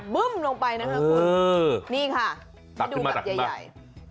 บึ้มลงไปนะคะคุณนี่ค่ะให้ดูแบบใหญ่